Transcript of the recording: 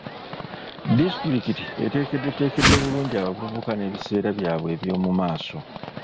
Disitulikiti eteekeddeteekedde bulungi abavubuka n'ebiseera byabwe eby'omu maaso.